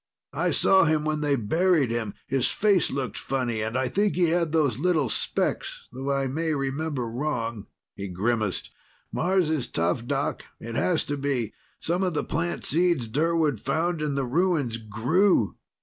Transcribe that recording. I saw him when they buried him. His face looked funny, and I think he had those little specks, though I may remember wrong." He grimaced. "Mars is tough, Doc; it has to be. Some of the plant seeds Durwood found in the ruins grew!